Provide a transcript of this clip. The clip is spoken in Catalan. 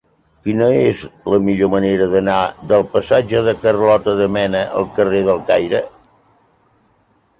Quina és la millor manera d'anar del passatge de Carlota de Mena al carrer del Caire?